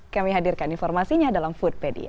kami hadirkan informasinya dalam foodpedia